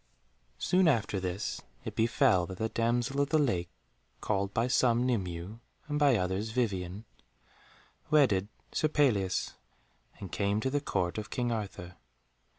Soon after this it befell that the damsel of the lake, called by some Nimue and by others Vivien, wedded Sir Pelleas, and came to the Court of King Arthur.